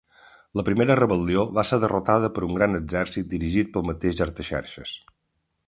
La primera rebel·lió va ser derrotada per un gran exèrcit dirigit pel mateix Artaxerxes.